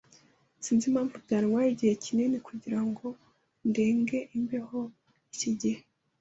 Sinzi impamvu byantwaye igihe kinini kugirango ndenge imbeho iki gihe.